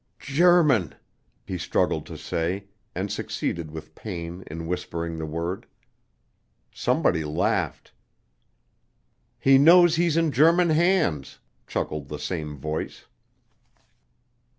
"G erman," he struggled to say, and succeeded with pain in whispering the word. Somebody laughed. "He knows he's in German hands!" chuckled the same voice.